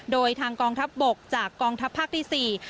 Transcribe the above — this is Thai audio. โดยทางกองทัพบกจากกองทัพภาคที่๔